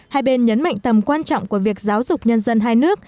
hai bên nhấn mạnh tầm quan trọng của việc giáo dục nhân dân hai nước